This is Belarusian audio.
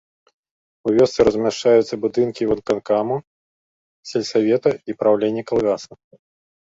У вёсцы размяшчаюцца будынкі выканкаму сельсавета і праўлення калгаса.